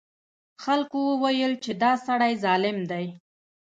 خلکو وویل چې دا سړی ظالم دی.